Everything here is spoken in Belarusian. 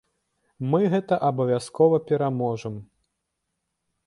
Мы гэта абавязкова пераможам.